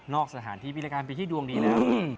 นอกสถานที่ปีรกาปีที่ดวงดีนะครับ